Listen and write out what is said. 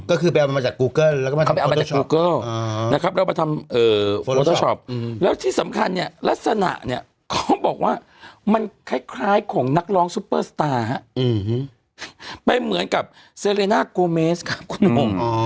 ก็คือไปเอามาจากกูเกิ้ลแล้วก็เขาไปเอามาจากกูเกิลนะครับแล้วมาทำโอเตอร์ช็อปแล้วที่สำคัญเนี่ยลักษณะเนี่ยเขาบอกว่ามันคล้ายของนักร้องซุปเปอร์สตาร์เป็นเหมือนกับเซเลน่าโกเมสครับคุณหนุ่ม